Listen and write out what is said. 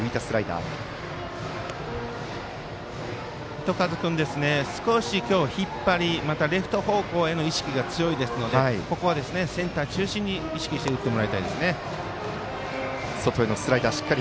糸数君は少し今日引っ張りレフト方向への意識が強いですのでここはセンター中心を意識して、打ってもらいたいです。